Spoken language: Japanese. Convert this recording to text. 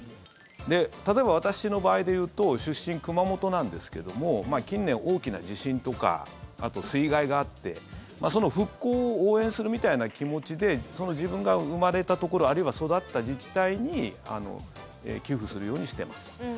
例えば私の場合で言うと出身、熊本なんですけど近年、大きな地震とかあと水害があってその復興を応援するみたいな気持ちで自分が生まれたところあるいは育った自治体に寄付するようにしてます。